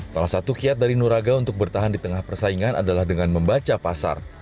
salah satu kiat dari nuraga untuk bertahan di tengah persaingan adalah dengan membaca pasar